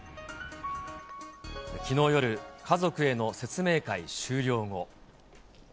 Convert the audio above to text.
きのう夜、家族への説明会終了後。